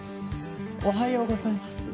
おはようございます。